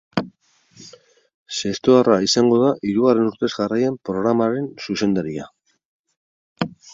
Zestoarra izango da hirugarren urtez jarraian programaren zuzendaria.